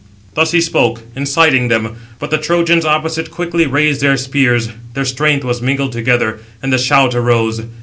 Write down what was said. Thus he spoke, inciting them; but the Trojans opposite quickly raised their spears; their strength was mingled together, and a shout arose.